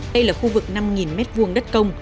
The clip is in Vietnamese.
đây là khu vực năm m hai đất công